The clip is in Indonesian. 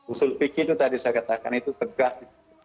usul fikir itu tadi saya katakan itu tegas